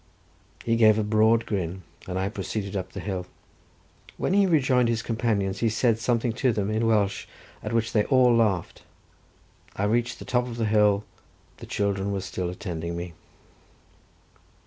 He gave a broad grin, and I proceeded up the hill. When he rejoined his companions he said something to them in Welsh, at which they all laughed. I reached the top of the hill, the children still attending me.